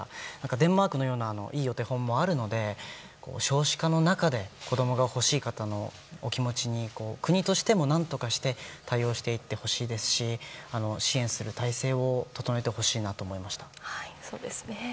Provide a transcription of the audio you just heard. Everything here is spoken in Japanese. デンマークのようないいお手本もあるので少子化の中で子供が欲しい方のお気持ちに国としても、何とかして対応していってほしいですし支援する体制を整えてほしいなと思いました。